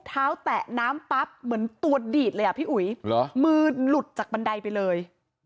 แตะน้ำปั๊บเหมือนตัวดีดเลยอ่ะพี่อุ๋ยมือหลุดจากบันไดไปเลย